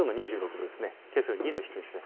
けさより２度低いです。